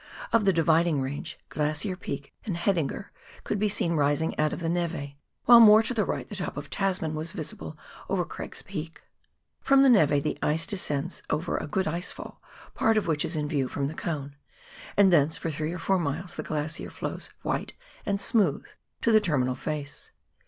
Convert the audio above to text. Of the Dividing Range, Grlacier Peak and Haidinger could be seen rising out of the neve, while more to the right the top of Tasman was visible over Craig's Peak. From the neve the ice descends over a good ice fall, part of which is in view from the Cone, and thence for three or four miles the glacier flows white and smooth to the terminal face.